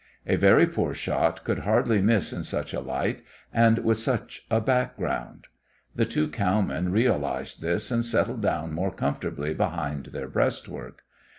A very poor shot could hardly miss in such a light and with such a background. The two cowmen realised this and settled down more comfortably behind their breastwork.